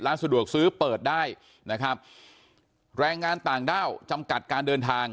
สะดวกซื้อเปิดได้นะครับแรงงานต่างด้าวจำกัดการเดินทาง